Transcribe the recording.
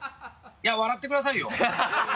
いや笑ってくださいよ。